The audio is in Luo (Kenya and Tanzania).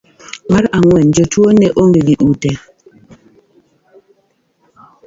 mar ang'wen jotuwo ne onge gi ute